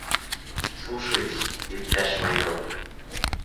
Слушаюсь, иптәш майор!